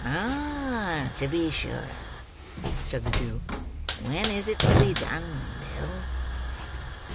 "Ah, to be sure," said the Jew; "when is it to be done, Bill?"